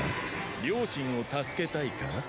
両親を助けたいか？